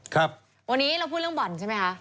คุณพูดเรื่องบ่อนใช่ไหมคะ